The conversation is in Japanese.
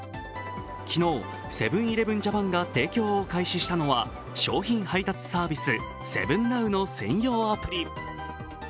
昨日、セブン−イレブン・ジャパンが提供を開始したのは商品配達サービス、７ＮＯＷの専用アプリ。